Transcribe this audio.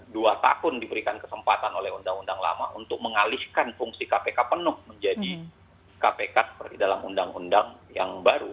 dua tahun diberikan kesempatan oleh undang undang lama untuk mengalihkan fungsi kpk penuh menjadi kpk seperti dalam undang undang yang baru